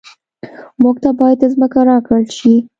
موږ ته باید ځمکه راکړل شي